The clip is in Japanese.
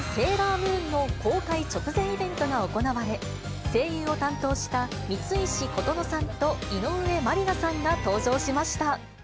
ムーンの公開直前イベントが行われ、声優を担当した三石琴乃さんと井上麻里奈さんが登場しました。